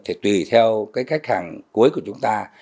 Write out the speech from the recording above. thì tùy theo cái khách hàng cuối của chúng ta